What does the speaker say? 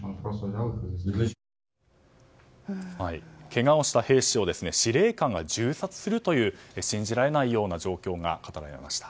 けがをした兵士を司令官が銃殺するという信じられないような状況が語られました。